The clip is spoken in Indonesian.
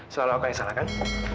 selalu aku yang salah kan